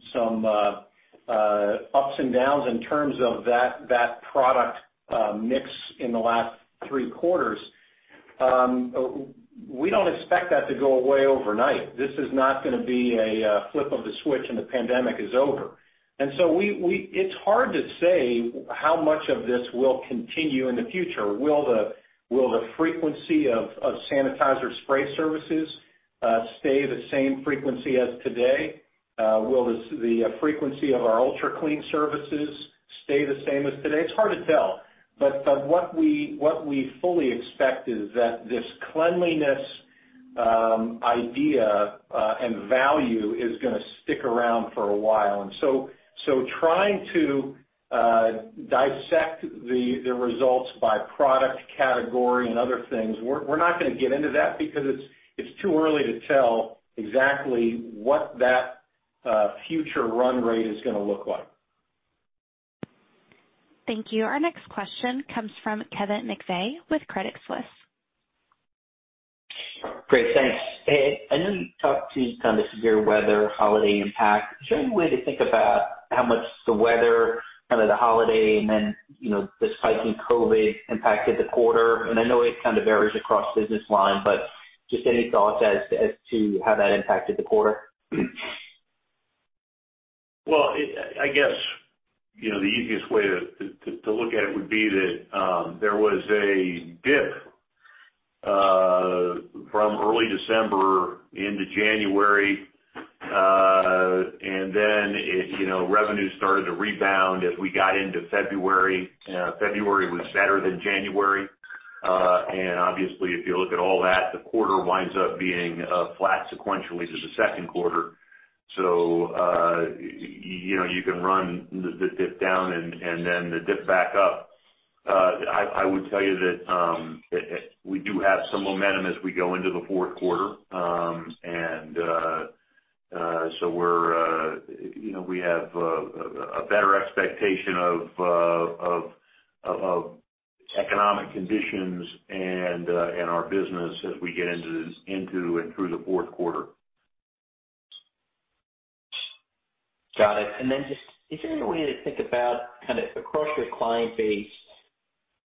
ups and downs in terms of that product mix in the last three quarters, we don't expect that to go away overnight. This is not going to be a flip of the switch and the pandemic is over. It's hard to say how much of this will continue in the future. Will the frequency of sanitizer spray services stay the same frequency as today? Will the frequency of our UltraClean Services stay the same as today? It's hard to tell, but what we fully expect is that this cleanliness idea and value is going to stick around for a while. Trying to dissect the results by product category and other things, we're not going to get into that because it's too early to tell exactly what that future run rate is going to look like. Thank you. Our next question comes from Kevin McVeigh with Credit Suisse. Great. Thanks. I know you talked to kind of the severe weather holiday impact. Is there any way to think about how much the weather, kind of the holiday, and then the spike in COVID impacted the quarter? I know it kind of varies across business line, but just any thoughts as to how that impacted the quarter? Well, I guess the easiest way to look at it would be that there was a dip from early December into January. Revenue started to rebound as we got into February. February was better than January. Obviously, if you look at all that, the quarter winds up being flat sequentially to the second quarter. You can run the dip down and then the dip back up. I would tell you that we do have some momentum as we go into the fourth quarter. We have a better expectation of economic conditions and our business as we get into and through the fourth quarter. Got it. Then just is there any way to think about kind of across your client base,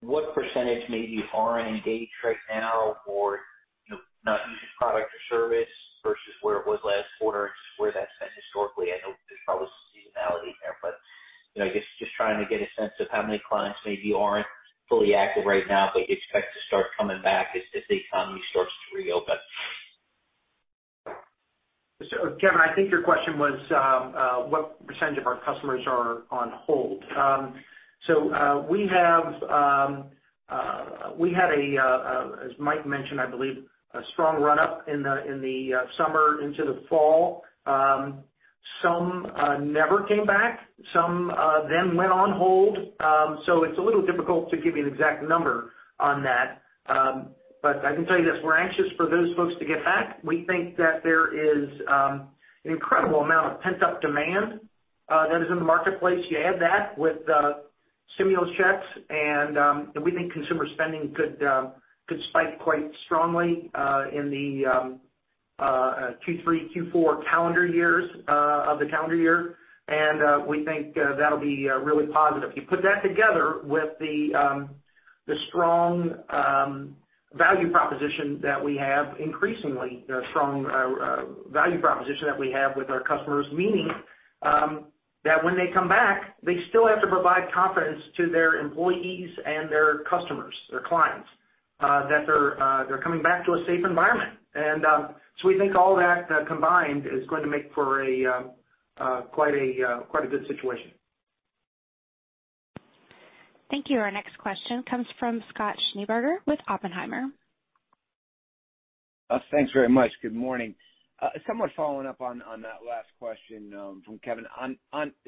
what percentage maybe aren't engaged right now or not using product or service versus where it was last quarter and just where that's been historically? I know there's probably seasonality in there, but I guess just trying to get a sense of how many clients maybe aren't fully active right now, but you expect to start coming back as the economy starts to reopen. Kevin, I think your question was what percentage of our customers are on hold. We had, as Mike mentioned, I believe, a strong run-up in the summer into the fall. Some never came back. Some of them went on hold. It's a little difficult to give you an exact number on that. I can tell you this, we're anxious for those folks to get back. We think that there is an incredible amount of pent-up demand that is in the marketplace. You add that with stimulus checks, and we think consumer spending could spike quite strongly in the Q3, Q4 of the calendar year. We think that'll be really positive. You put that together with the strong value proposition that we have increasingly, the strong value proposition that we have with our customers, meaning that when they come back, they still have to provide confidence to their employees and their customers, their clients, that they're coming back to a safe environment. We think all that combined is going to make for quite a good situation. Thank you. Our next question comes from Scott Schneeberger with Oppenheimer. Thanks very much. Good morning. Somewhat following up on that last question from Kevin.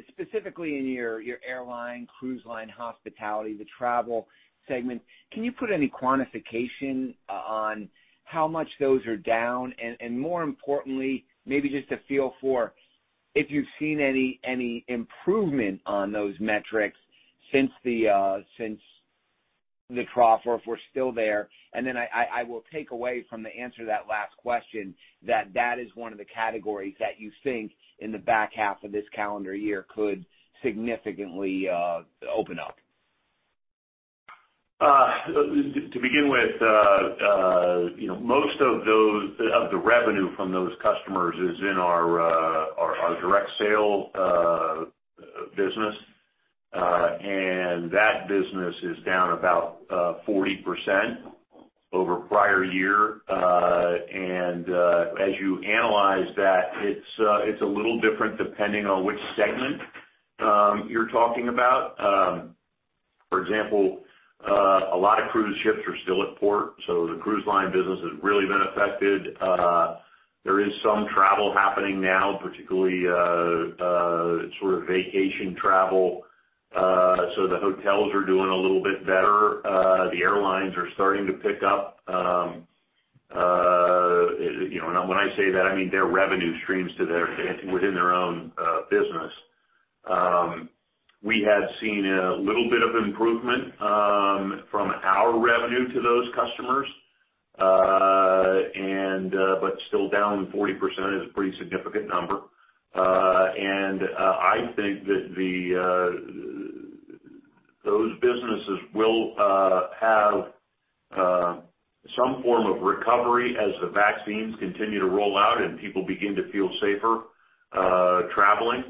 Specifically in your airline, cruise line, hospitality, the travel segment, can you put any quantification on how much those are down? More importantly, maybe just a feel for if you've seen any improvement on those metrics since the trough, or if we're still there. Then I will take away from the answer to that last question that that is one of the categories that you think in the back half of this calendar year could significantly open up. To begin with, most of the revenue from those customers is in our direct sale business. That business is down about 40% over prior year. As you analyze that, it's a little different depending on which segment you're talking about. For example, a lot of cruise ships are still at port, the cruise line business has really been affected. There is some travel happening now, particularly sort of vacation travel. The hotels are doing a little bit better. The airlines are starting to pick up. When I say that, I mean their revenue streams within their own business. We had seen a little bit of improvement from our revenue to those customers. Still down 40% is a pretty significant number. I think that those businesses will have some form of recovery as the vaccines continue to roll out and people begin to feel safer traveling.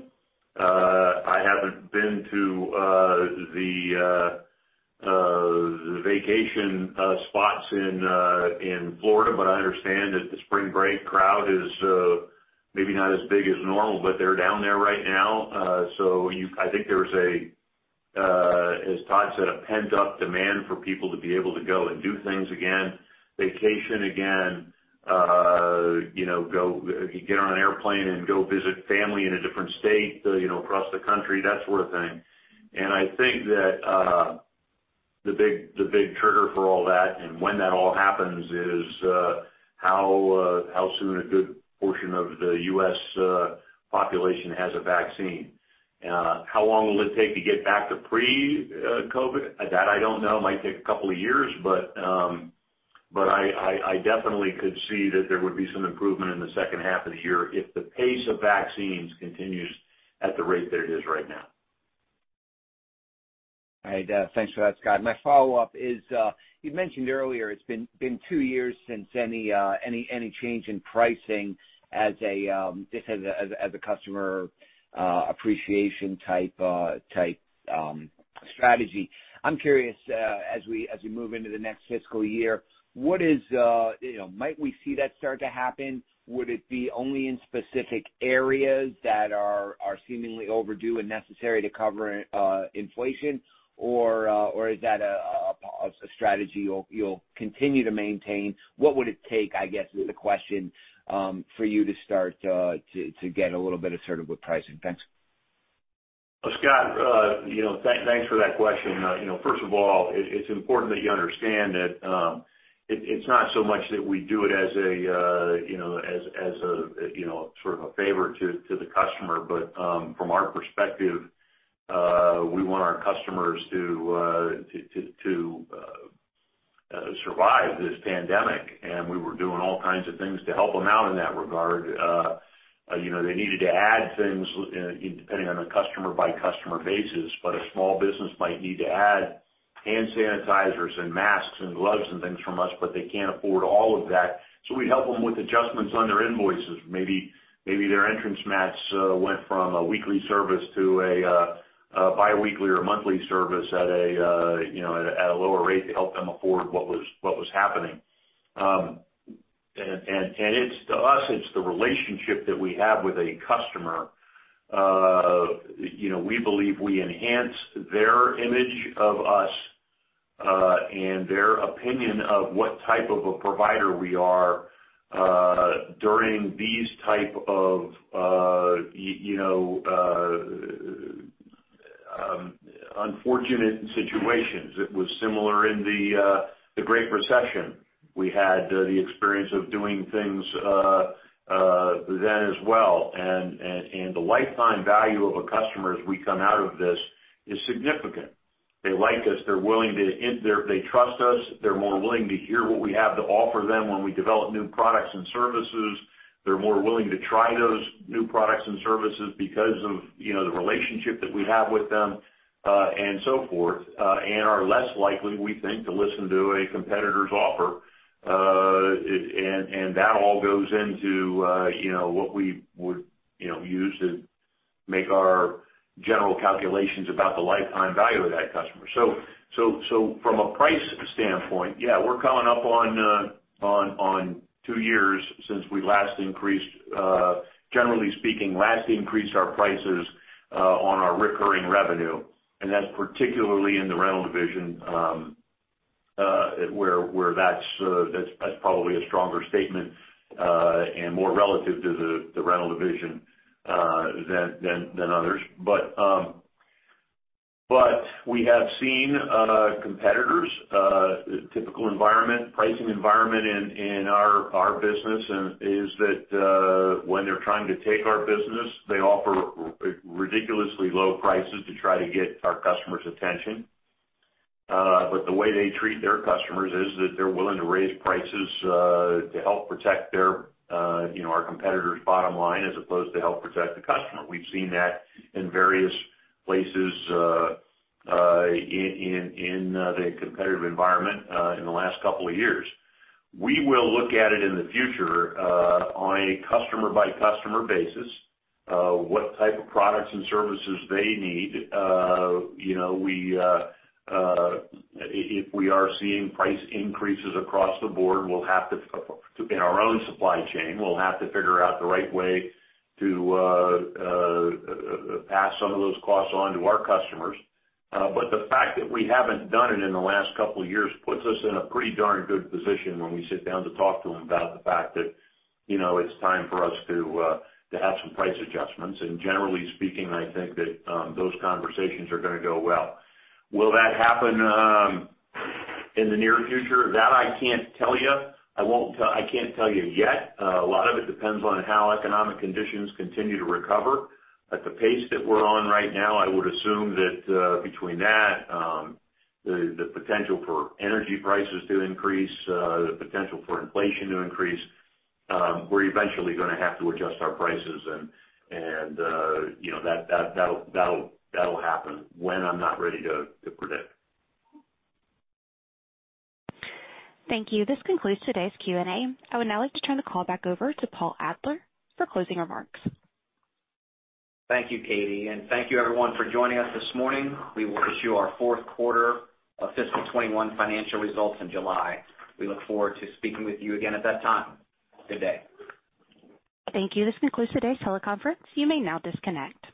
I haven't been to the vacation spots in Florida, but I understand that the spring break crowd is maybe not as big as normal, but they're down there right now. I think there's a, as Todd said, a pent-up demand for people to be able to go and do things again, vacation again, get on an airplane and go visit family in a different state, across the country, that sort of thing. I think that the big trigger for all that and when that all happens is how soon a good portion of the U.S. population has a vaccine. How long will it take to get back to pre-COVID? That I don't know. It might take a couple of years, but I definitely could see that there would be some improvement in the second half of the year if the pace of vaccines continues at the rate that it is right now. All right. Thanks for that, Scott. My follow-up is, you mentioned earlier it's been two years since any change in pricing as a customer appreciation type strategy. I'm curious, as we move into the next fiscal year, might we see that start to happen? Would it be only in specific areas that are seemingly overdue and necessary to cover inflation? Or is that a strategy you'll continue to maintain? What would it take, I guess, is the question, for you to start to get a little bit assertive with pricing? Thanks. Scott, thanks for that question. First of all, it's important that you understand that it's not so much that we do it as sort of a favor to the customer. From our perspective, we want our customers to survive this pandemic, and we were doing all kinds of things to help them out in that regard. They needed to add things, depending on a customer-by-customer basis, but a small business might need to add hand sanitizers and masks and gloves and things from us, but they can't afford all of that. We help them with adjustments on their invoices. Maybe their entrance mats went from a weekly service to a biweekly or monthly service at a lower rate to help them afford what was happening. To us, it's the relationship that we have with a customer. We believe we enhance their image of us and their opinion of what type of a provider we are during these type of unfortunate situations. It was similar in the Great Recession. We had the experience of doing things then as well. The lifetime value of a customer as we come out of this is significant. They like us. They trust us. They're more willing to hear what we have to offer them when we develop new products and services. They're more willing to try those new products and services because of the relationship that we have with them, so forth, and are less likely, we think, to listen to a competitor's offer. That all goes into what we would use to make our general calculations about the lifetime value of that customer. From a price standpoint, yeah, we're coming up on two years since we, generally speaking, last increased our prices on our recurring revenue. That's particularly in the rental division, where that's probably a stronger statement and more relative to the rental division than others. We have seen competitors, typical pricing environment in our business is that when they're trying to take our business, they offer ridiculously low prices to try to get our customers' attention. The way they treat their customers is that they're willing to raise prices to help protect our competitors' bottom line as opposed to help protect the customer. We've seen that in various places in the competitive environment in the last couple of years. We will look at it in the future on a customer-by-customer basis, what type of products and services they need. If we are seeing price increases across the board in our own supply chain, we'll have to figure out the right way to pass some of those costs on to our customers. The fact that we haven't done it in the last couple of years puts us in a pretty darn good position when we sit down to talk to them about the fact that it's time for us to have some price adjustments. Generally speaking, I think that those conversations are going to go well. Will that happen in the near future? That I can't tell you. I can't tell you yet. A lot of it depends on how economic conditions continue to recover. At the pace that we're on right now, I would assume that between that, the potential for energy prices to increase, the potential for inflation to increase, we're eventually going to have to adjust our prices. That'll happen when I'm not ready to predict. Thank you. This concludes today's Q&A. I would now like to turn the call back over to Paul Adler for closing remarks. Thank you, Katie, and thank you everyone for joining us this morning. We will issue our fourth quarter of fiscal 2021 financial results in July. We look forward to speaking with you again at that time. Good day. Thank you. This concludes today's teleconference. You may now disconnect.